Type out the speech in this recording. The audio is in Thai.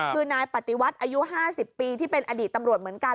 คือนายปฏิวัติอายุ๕๐ปีที่เป็นอดีตตำรวจเหมือนกัน